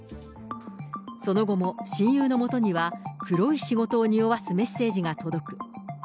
その後も、親友のもとには黒い仕事をにおわすメッセージが届く。